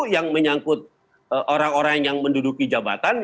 yang menyangkut orang orang yang menduduki jabatan